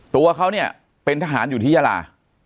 ตัวเขาเนี่ยเป็นทหารอยู่ที่ยาลา